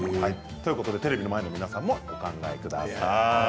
テレビの前の皆さんもお考えください。